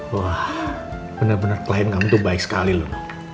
wah bener bener klien kamu tuh baik sekali lolo